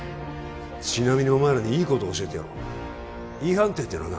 ちなみにお前らにいいこと教えてやろうＥ判定ってのはな